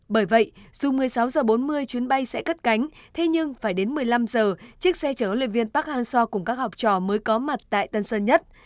bởi vậy dù một mươi sáu h bốn mươi chuyến bay sẽ cất cánh thế nhưng phải đến một mươi năm h chiếc xe chở luyện viên park hang seo cùng các học trò mới có mặt tại tân sơn nhất